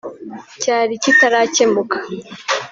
cyari kitarakemuka